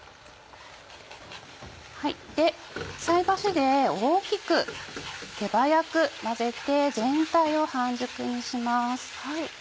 菜箸で大きく手早く混ぜて全体を半熟にします。